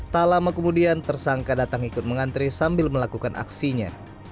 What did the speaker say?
tak lama kemudian tersangka datang ikut mengantre sambil melakukan aksinya